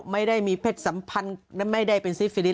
ไม่ได้มีเพศสัมพันธ์ไม่ได้เป็นซิฟิลิส